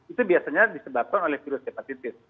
itu biasanya disebabkan oleh virus hepatitis